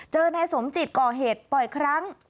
เจอในสมจิตก่อเหตุปล่อยอีกครั้ง